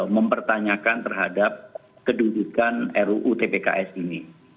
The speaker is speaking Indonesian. mempertanyakan terhadap kedudukan ruu tpks ini